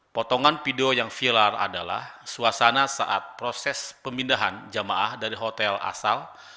potongan video yang viral adalah suasana saat proses pemindahan jemaah dari hotel asal